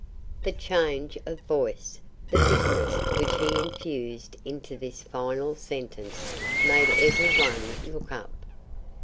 The change of voice the bitterness which he infused into this final sentence made every one look up.